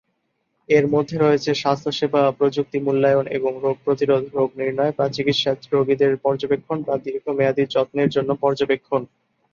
এর মধ্যে রয়েছে স্বাস্থ্যসেবা প্রযুক্তি মূল্যায়ন এবং রোগ প্রতিরোধ, রোগ নির্ণয় বা চিকিৎসা, রোগীদের পর্যবেক্ষণ বা দীর্ঘমেয়াদী যত্নের জন্য পর্যবেক্ষণ।